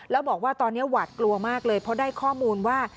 แล้วบอกว่าตอนนี้หวาดกลัวมากเลยเพราะได้ข้อมูลว่า